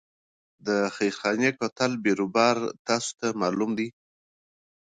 د خیرخانې کوتل بیروبار تاسو ته معلوم دی.